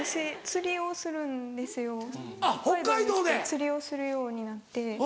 釣りをするようになって。